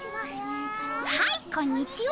はいこんにちは。